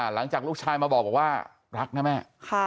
หลังจากลูกชายมาบอกว่ารักนะแม่